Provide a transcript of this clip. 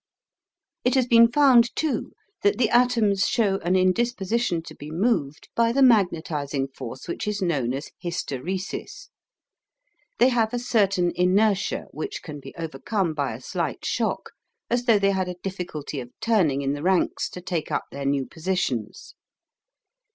It has been found, too, that the atoms show an indisposition to be moved by the magnetising force which is known as HYSTERESIS. They have a certain inertia, which can be overcome by a slight shock, as though they had a difficulty of turning in the ranks to take up their new positions.